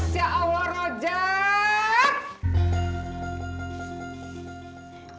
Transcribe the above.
masya allah ojak